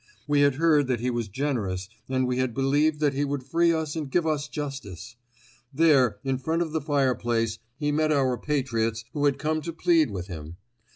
We had heard that he was generous and we had believed that he would free us and give us justice. There in front of the fireplace he met our patriots who had come to plead with him.